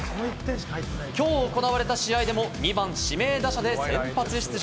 きょう行われた試合でも２番・指名打者で先発出場。